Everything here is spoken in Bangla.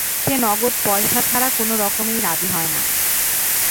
সে নগদ পয়সা ছাড়া কোনো রকমেই রাজি হয় না।